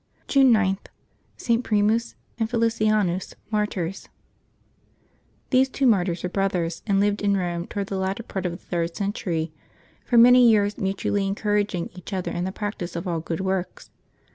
June 9.— STS. PRIMUS and FELICIANUS, Martyrs. J^nHese two martyrs were brothers, and lived in Eome, V^ toward the latter part of the third century, for many years, mutually encouraging each other in the prac tice of all good works.